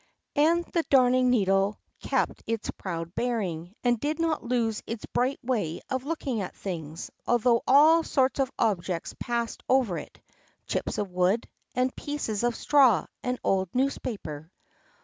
And the Darning needle kept its proud bearing, and did not lose its bright way of looking at things, although all sorts of objects passed over it—chips of wood, and pieces of straw, and old newspaper.